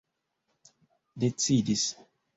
decidis